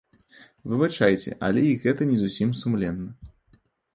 Выбачайце, але і гэта не зусім сумленна.